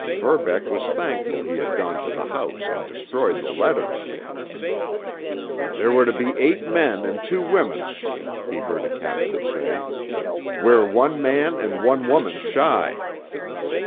Verbeck was thankful he had gone to the house and destroyed the letters. "There were to be eight men and two women," he heard a captain say. "We're one man and one woman shy."